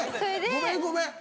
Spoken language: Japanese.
ごめんごめん。